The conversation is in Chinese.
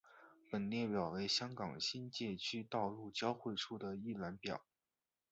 本列表为香港新界区道路交汇处的一览表。